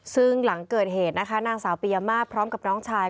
ซึ่งหลังเกิดเหตุนะคะนางสาวปียมาพร้อมกับน้องชาย